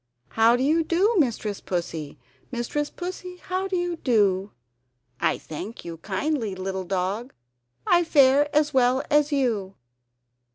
How do you do Mistress Pussy? Mistress Pussy, how do you do?" "I thank you kindly, little dog, I fare as well as you!"